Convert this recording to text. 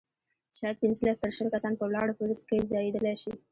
شاید پنځلس تر شل کسان په ولاړه په کې ځایېدلای شي.